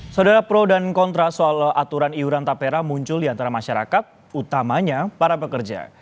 saudara pro dan kontra soal aturan iuran tapera muncul di antara masyarakat utamanya para pekerja